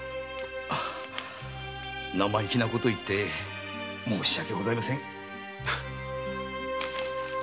生意気な事を言って申し訳ありません。